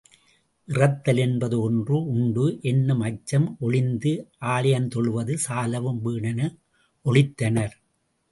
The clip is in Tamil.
இறத்தல் என்பது ஒன்று உண்டு என்னும் அச்சம் ஒழிந்து, ஆலயங்தொழுவது சாலவும் வீணென ஒழித்தனர்.